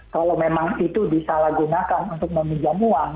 kalau memang itu disalahgunakan untuk meminjam uang